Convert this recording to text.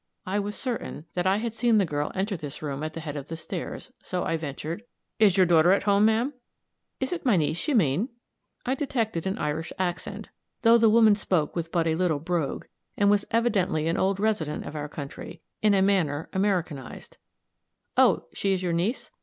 I was certain that I had seen the girl enter this room at the head of the stairs, so I ventured: "Is your daughter at home, ma'am?" "Is it my niece you mean?" I detected an Irish accent, though the woman spoke with but little "brogue," and was evidently an old resident of our country in a manner Americanized. "Oh, she is your niece?